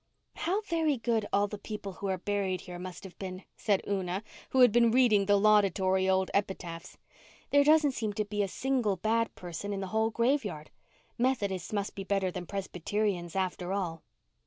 "How very good all the people who are buried here must have been," said Una, who had been reading the laudatory old epitaphs. "There doesn't seem to be a single bad person in the whole graveyard. Methodists must be better than Presbyterians after all."